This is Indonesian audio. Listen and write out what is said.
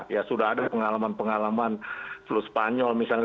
ya sudah ada pengalaman pengalaman flu spanyol misalnya